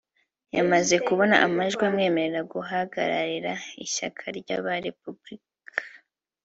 yamaze kubona amajwi amwemerera guhagararira ishyaka ry’aba-Republicain